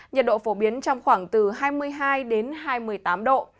nhiệt độ phổ biến trong khoảng từ hai mươi hai đến hai mươi tám độ